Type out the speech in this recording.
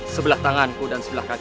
sebelah tanganku dan sebelah kaki